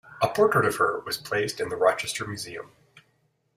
A portrait of her was placed in the Rochester museum.